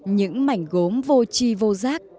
những mảnh gốm vô chi vô giác